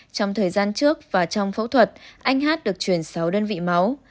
trong thời gian trước và trong phẫu thuật anh h được chuyển sáu đơn vị máu